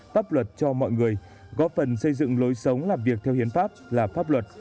pháp luật cho mọi người góp phần xây dựng lối sống làm việc theo hiến pháp là pháp luật